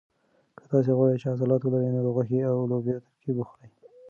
که تاسي غواړئ چې عضلات ولرئ نو د غوښې او لوبیا ترکیب وخورئ.